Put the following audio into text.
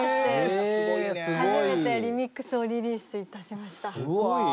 初めてリミックスをリリースいたしました。